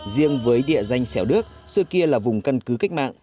riêng với địa danh sẻo đức xưa kia là vùng căn cứ cách mạng